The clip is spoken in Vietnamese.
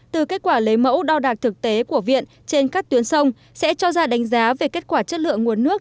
từ kết quả lấy mẫu đo đạc thực tế của viện trên các tuyến sông sẽ cho ra đánh giá về kết quả chất lượng nguồn nước